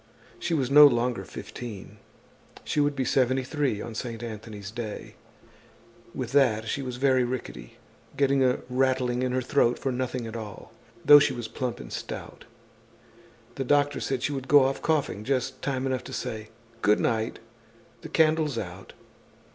She was no longer fifteen, she would be seventy three on Saint Anthony's day. With that she was very rickety, getting a rattling in her throat for nothing at all, though she was plump and stout. The doctor said she would go off coughing, just time enough to say: "Good night, the candle's out!"